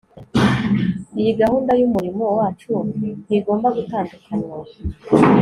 Iyi gahunda yumurimo wacu ntigomba gutandukanywa